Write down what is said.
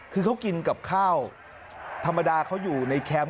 คือเขากินกับข้าวธรรมดาเขาอยู่ในแคมป์